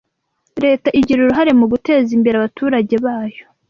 Leta igira uruhare mu guteza imbere abaturage bayo